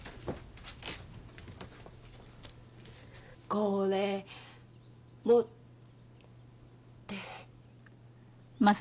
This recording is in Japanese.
これ持って。